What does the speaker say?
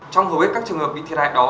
trong hầu hết các trường hợp bị thiệt hại đó